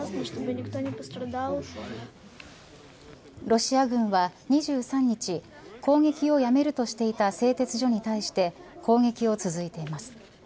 ロシア軍は２３日攻撃をやめるとしていた製鉄所に対して攻撃を続いてます。